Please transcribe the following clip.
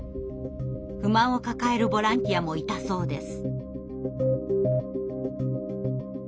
不満を抱えるボランティアもいたそうです。